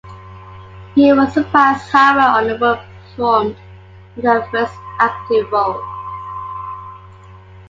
He was surprised how well Underwood performed in her first acting role.